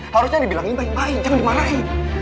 harusnya dibilangin baik baik jangan dimarahin